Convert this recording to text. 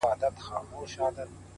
لوړ همت د خنډونو سیوري لنډوي’